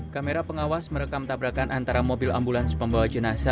kamera pengawas merekam tabrakan antara mobil ambulans pembawa jenasa